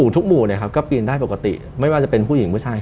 ทุกหมู่ก็ปีนได้ปกติไม่ว่าจะเป็นผู้หญิงผู้ชาย